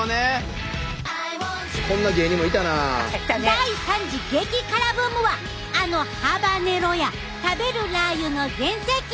第３次激辛ブームはあのハバネロや食べるラー油の全盛期！